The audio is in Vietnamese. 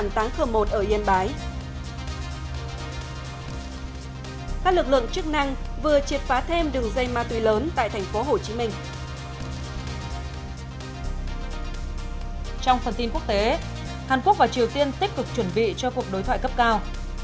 trong phần tin quốc tế hàn quốc và triều tiên tích cực chuẩn bị cho cuộc đối thoại cấp cao